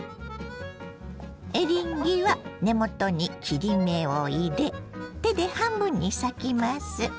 エリンギは根元に切り目を入れ手で半分に裂きます。